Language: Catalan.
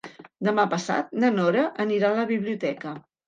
Demà passat na Nora anirà a la biblioteca.